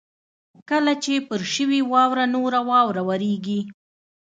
کله چې پر شوې واوره نوره واوره ورېږي.